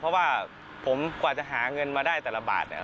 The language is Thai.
เพราะว่าผมกว่าจะหาเงินมาได้แต่ละบาทเนี่ย